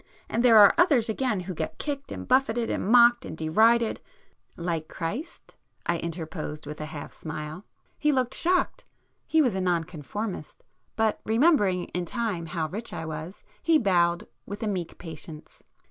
And there are others again who get kicked and buffeted and mocked and derided——" "Like Christ?" I interposed with a half smile. He looked shocked,—he was a Non conformist,—but remembering in time how rich I was, he bowed with a meek patience.